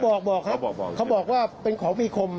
บอกบอกครับเขาบอกว่าเป็นของมีคม